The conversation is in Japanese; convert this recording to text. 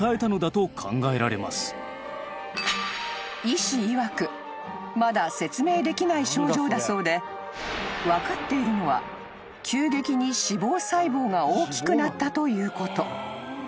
［医師いわくまだ説明できない症状だそうで分かっているのは急激に脂肪細胞が大きくなったということ］